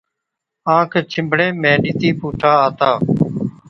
آنک ڇِنڀڻي ۾ ڏِتِي پُوٺا آتا۔